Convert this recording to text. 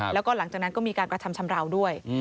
แล้วก็หลังจากนั้นก็มีการกระทำชำราวด้วย